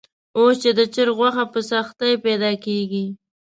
اوس چې د چرګ غوښه په سختۍ پیدا کېږي.